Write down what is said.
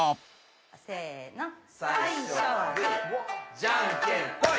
じゃんけんぽい。